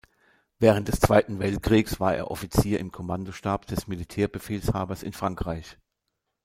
Während des Zweiten Weltkriegs war er Offizier im Kommandostab des Militärbefehlshabers in Frankreich.